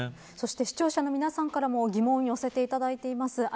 そして、視聴者の皆さんからも疑問を寄せていただいています。